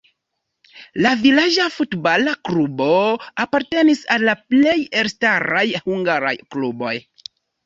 La vilaĝa futbala klubo apartenis al la plej elstaraj hungaraj kluboj.